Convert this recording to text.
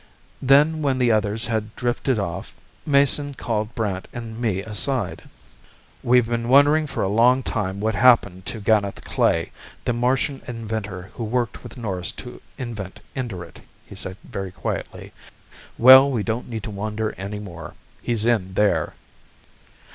Then when the others had drifted off, Mason called Brandt and me aside. "We've been wondering for a long time what happened to Ganeth Klae, the Martian inventor who worked with Norris to invent Indurate," he said very quietly. "Well, we don't need to wonder any more. He's in there."